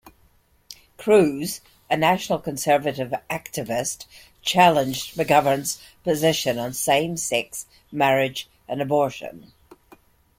Crews, a national conservative activist, challenged McGovern's positions on same-sex marriage and abortion.